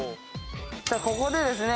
さあここでですね。